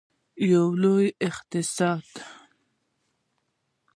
یو لوی اقتصاد.